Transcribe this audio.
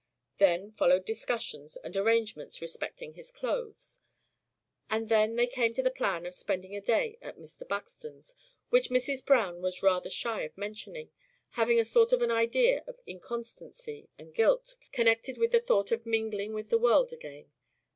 Then followed discussions and arrangements respecting his clothes. And then they came to the plan of spending a day at Mr. Buxton's, which Mrs. Browne was rather shy of mentioning, having a sort of an idea of inconstancy and guilt connected with the thought of mingling with the world again.